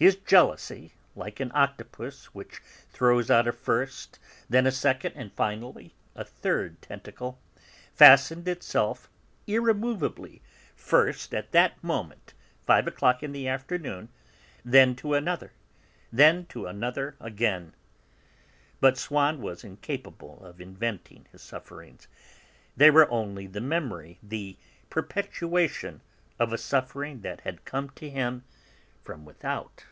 His jealousy, like an octopus which throws out a first, then a second, and finally a third tentacle, fastened itself irremovably first to that moment, five o'clock in the afternoon, then to another, then to another again. But Swann was incapable of inventing his sufferings. They were only the memory, the perpetuation of a suffering that had come to him from without.